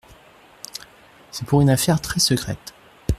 C'est pour une affaire très secrète.